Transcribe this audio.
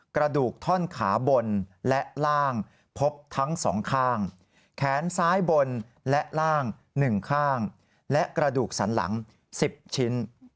กระดูกท่อนขาบนและล่างพบทั้งสองข้างแขนซ้ายบนและล่าง๑ข้างและกระดูกสันหลัง๑๐ชิ้น